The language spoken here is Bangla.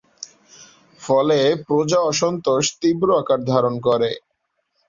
ফলে প্রজা অসন্তোষ তীব্র আকার ধারণ করে।